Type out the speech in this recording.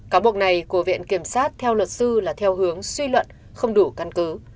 cáo buộc này của viện kiểm sát theo luật sư là theo hướng suy luận không đủ căn cứ